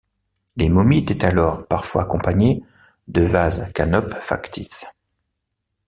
Les momies étaient alors parfois accompagnées de vases canopes factices.